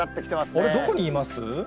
あれ、どこにいます？